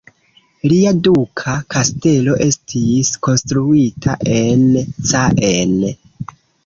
Lia duka kastelo estis konstruita en Caen.